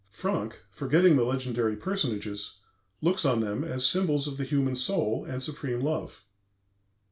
Franck, forgetting the legendary personages, looks on them as symbols of the human soul and supreme love.